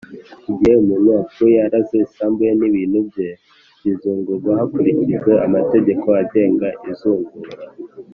igihe umuntu apfuye araze, isambu ye n’ibintu bye bizungurwa hakurikijwe amategeko agenga izungura.